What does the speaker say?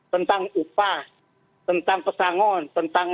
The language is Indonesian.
tentang upah tentang pesangon